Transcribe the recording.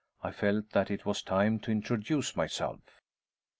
I felt that it was time to introduce myself.